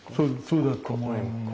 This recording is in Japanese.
そうだと思います。